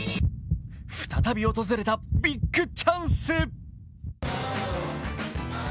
再び訪れたビッグチャンス。